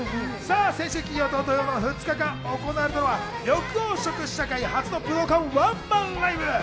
先週金曜と土曜の２日間、行われたのは緑黄色社会、初の武道館ワンマンライブ。